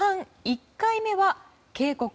１回目は警告。